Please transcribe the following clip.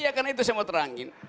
iya karena itu saya mau terangin